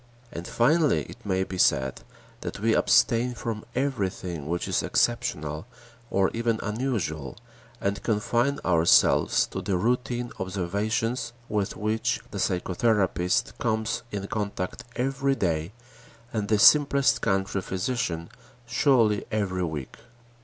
And finally it may be said that we abstain from everything which is exceptional or even unusual, and confine ourselves to the routine observations with which the psychotherapist comes in contact every day and the simplest country physician surely every week.